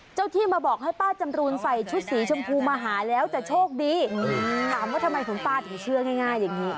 เจ้าที่มาบอกให้ป้าจำรูนใส่ชุดสีชมพูมาหาแล้วจะโชคดีถามว่าทำไมคุณป้าถึงเชื่อง่ายอย่างนี้